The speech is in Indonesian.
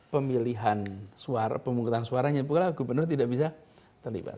pemilihan suara pemungkutan suaranya juga gubernur tidak bisa terlibat